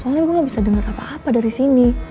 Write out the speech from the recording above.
soalnya gue gak bisa dengar apa apa dari sini